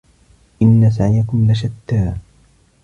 إِنَّ سَعيَكُم لَشَتّى